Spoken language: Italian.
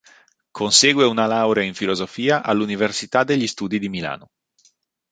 Consegue una laurea in filosofia all'Università degli Studi di Milano.